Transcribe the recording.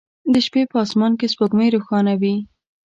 د شپې په اسمان کې سپوږمۍ روښانه وي